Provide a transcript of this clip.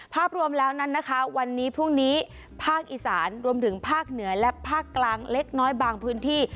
ภาพรวมแล้วนั้นนะคะวันนี้พรุ่งนี้ภาคอีสานรวมถึงภาคเหนือและภาคกลางเล็กน้อยบางพื้นที่